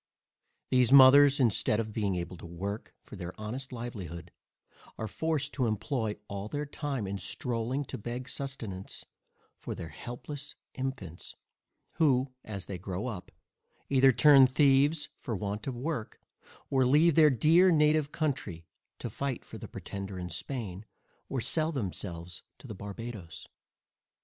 These mothers, instead of being able to work for their honest livelihood, are forced to employ all their time in stroling to beg sustenance for their helpless infants who, as they grow up, either turn thieves for want of work, or leave their dear native country, to fight for the Pretender in Spain, or sell themselves to the Barbadoes.